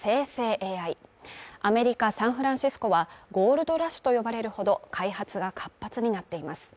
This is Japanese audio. ＡＩアメリカ・サンフランシスコはゴールドラッシュと呼ばれるほど、開発が活発になっています